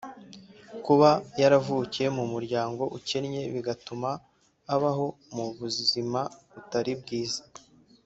Kuba yaravukiye mu muryango ukennye bigatuma abaho mu buzima butari bwiza